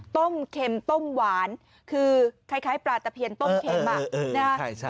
เค็มต้มหวานคือคล้ายปลาตะเพียนต้มเข็ม